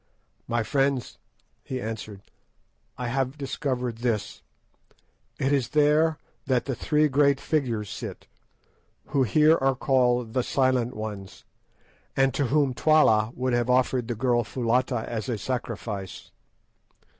"My friends," he answered, "I have discovered this. It is there that the three great figures sit, who here are called the 'Silent Ones,' and to whom Twala would have offered the girl Foulata as a sacrifice.